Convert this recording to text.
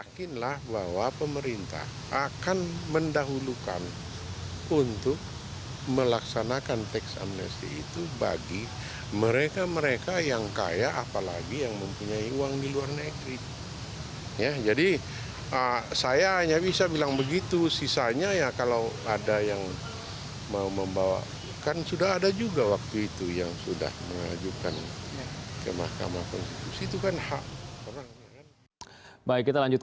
kami akan kembali